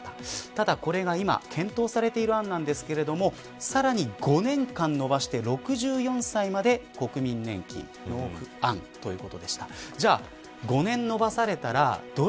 ただ、これが今検討されている案なんですがさらに５年間延ばして６４歳まで国民年金納付案ということでした。